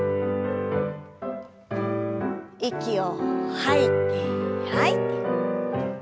息を吐いて吐いて。